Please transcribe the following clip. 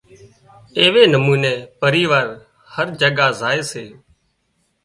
ايوي نموني پريوار هر جگائي زائي سي